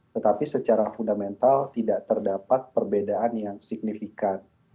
tetapi secara fundamental tidak terdapat perbedaan yang signifikan